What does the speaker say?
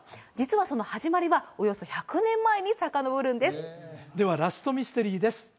実はその始まりはおよそ１００年前にさかのぼるんですではラストミステリーです